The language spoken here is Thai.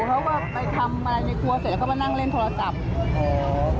เขาก็ไปทำอะไรในครัวเสร็จแล้วก็มานั่งเล่นโทรศัพท์